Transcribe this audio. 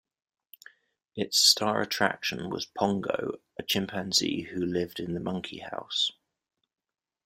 Its star attraction was "Pongo", a chimpanzee who lived in the Monkey House.